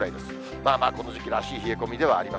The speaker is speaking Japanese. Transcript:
まあまあこの時期らしい冷え込みではあります。